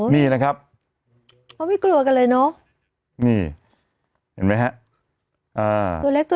เขาทุกคนไม่กลัวกันเลยน็อะ